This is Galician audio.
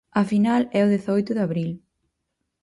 A final é o dezaoito de abril.